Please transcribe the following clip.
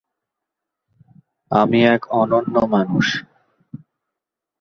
যদিও সেদিন ব্রাস পোড়ানো হয়নি, বিক্ষোভের ফলে "ব্রা-বার্নার" শব্দটি তৈরি হয়েছিল।